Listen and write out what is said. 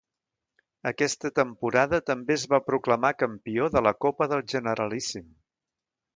Aquesta temporada també es va proclamar campió de la Copa del Generalíssim.